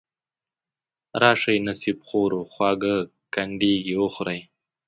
راشئ نصیب خورو خواږه کنډیري وخورئ.